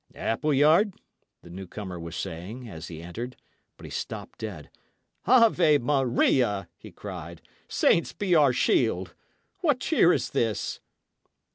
"Appleyard" the newcomer was saying, as he entered; but he stopped dead. "Ave Maria!" he cried. "Saints be our shield! What cheer is this?"